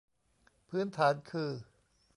พื้นฐานคือ